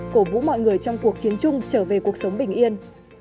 cổ vũ mọi người trong cuộc chiến chung trở về cuộc sống bình yên